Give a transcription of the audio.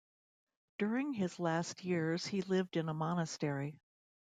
During his last years he lived in a monastery.